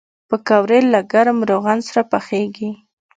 پکورې له ګرم روغن سره پخېږي